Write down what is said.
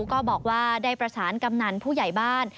ก็บอกว่าได้ประสานกำนันผู้ใหญ่บ้าน